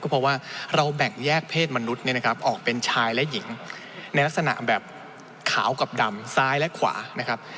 เพราะว่าเราแบ่งแยกเพศมนุษย์เนี่ยนะครับออกเป็นชายและหญิงในลักษณะแบบขาวกับดำซ้ายและขวานะครับ